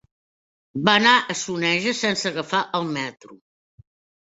Va anar a Soneja sense agafar el metro.